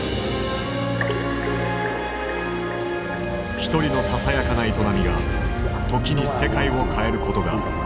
ひとりのささやかな営みが時に世界を変えることがある。